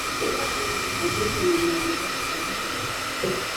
ageze mu mayira kiramuhereza